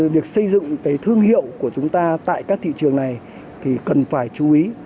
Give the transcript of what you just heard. việc xây dựng cái thương hiệu của chúng ta tại các thị trường này thì cần phải chú ý